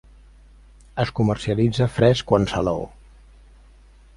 Es comercialitza fresc o en salaó.